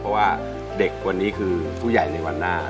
เพราะว่าเด็กวันนี้คือผู้ใหญ่ในวันหน้า